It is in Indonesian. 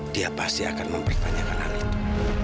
dia pasti akan mempertanyakan hal itu